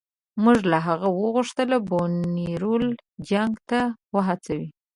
موږ له هغه وغوښتل بونیروال جنګ ته وهڅوي.